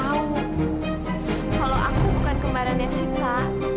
apakah aku bisa mencari sita